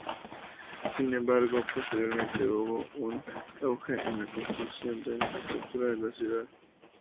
Sin embargo, posteriormente, hubo un auge en la construcción de infraestructura de la ciudad.